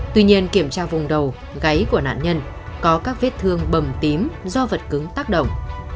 tuy nhiên kiểm tra vùng đầu gáy của nạn nhân có các vết thương bầm tím do vật cứng tác động